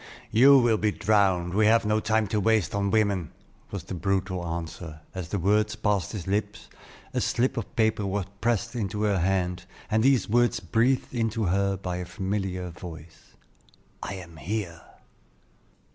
"You will be drowned; we have no time to waste on women;" was the brutal answer; but as the words passed his lips, a slip of paper was pressed into her hand, and these words breathed into her ear by a familiar voice: "I am here!"